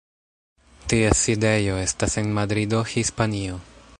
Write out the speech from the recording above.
Ties sidejo estas en Madrido, Hispanio.